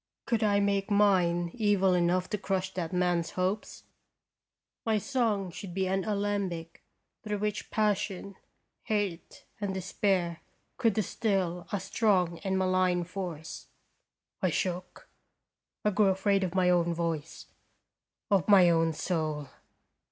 Could I make mine evil enough to crush that man's hopes? My song should be an alembic through which passion, hate, and despair could distill a strong and malign force. I shook. I grew afraid of my own voice, of my own soul.